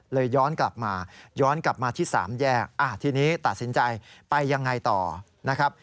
เลยย้อนกลับมาที่๓แยกที่นี้ตัดสินใจไปยังไงต่อนะครับ